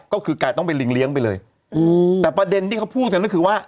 ก็คือกลายต้องเป็นลิงเลี้ยงไปเลยอืมแต่ประเด็นที่เขาพูดกันก็คือว่า